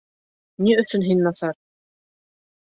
— Ни өсөн һин насар?